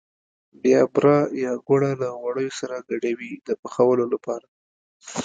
بیا بوره یا ګوړه له غوړیو سره ګډوي د پخولو لپاره.